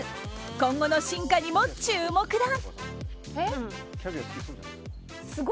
今後の進化にも注目だ。